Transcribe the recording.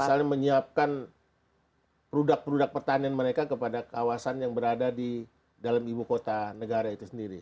misalnya menyiapkan produk produk pertanian mereka kepada kawasan yang berada di dalam ibu kota negara itu sendiri